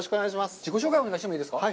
自己紹介をお願いしてもいいですか。